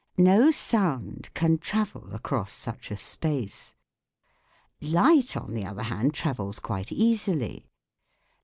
No sound can travel across such a space. Light on the other hand travels quite easily.